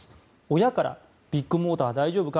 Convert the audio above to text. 親から、ビッグモーター大丈夫か？